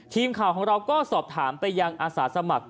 ทีมข่าวของเราก็สอบถามไปยังอาสาสมัคร